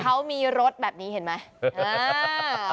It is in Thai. เขามีรถแบบนี้เห็นไหม